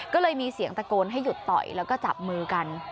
ก็เลยมีเสียงตะโกนให้หยุดต่อยแล้วก็จับมือกัน